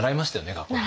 学校でね。